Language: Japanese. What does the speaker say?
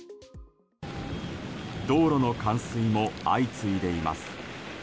道路の冠水も相次いでいます。